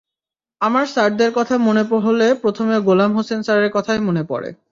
আমার স্যারদের কথা মনে হলে প্রথমে গোলাম হোসেন স্যারের কথাই মনে পড়ে।